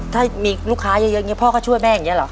ถ้ามีลูกค้าเยอะพ่อก็ช่วยแม่กังเงี่ยเหรอ